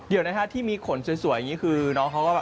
เดี๋ยวนะฮะที่มีขนสวยอย่างนี้คือน้องเขาก็แบบ